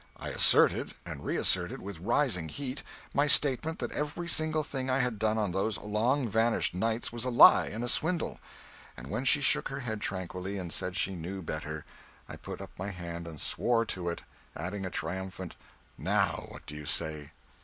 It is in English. I asserted, and reasserted, with rising heat, my statement that every single thing I had done on those long vanished nights was a lie and a swindle; and when she shook her head tranquilly and said she knew better, I put up my hand and swore to it adding a triumphant "Now what do you say?"